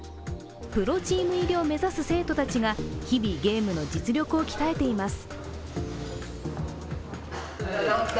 プロチーム入りを目指す生徒たちが日々、ゲームの実力を鍛えています。